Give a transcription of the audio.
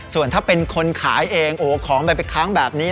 ส่วนถ้าเป็นคนขายเองโอ้โหของมันไปค้างแบบนี้